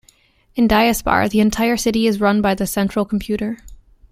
In Diaspar, the entire city is run by the Central Computer.